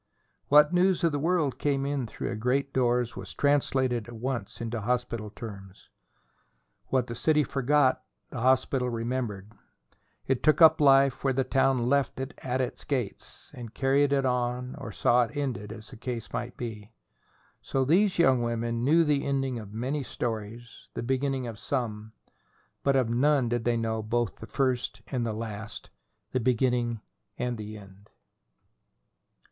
What news of the world came in through the great doors was translated at once into hospital terms. What the city forgot the hospital remembered. It took up life where the town left it at its gates, and carried it on or saw it ended, as the case might be. So these young women knew the ending of many stories, the beginning of some; but of none did they know both the first and last, the beginning and the end.